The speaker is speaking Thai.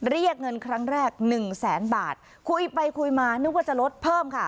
เรียกเงินครั้งแรกหนึ่งแสนบาทคุยไปคุยมานึกว่าจะลดเพิ่มค่ะ